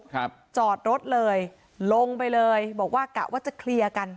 ครับจอดรถเลยลงไปเลยบอกว่ากะว่าจะเคลียร์กัน